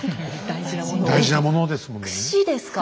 大事なものですものね。